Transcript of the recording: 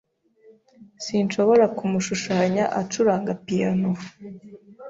Sinshobora kumushushanya acuranga piyano.